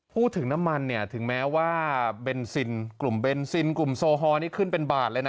พูดถึงน้ำมันเนี่ยถึงแม้ว่าเบนซินกลุ่มเบนซินกลุ่มโซฮอลนี่ขึ้นเป็นบาทเลยนะ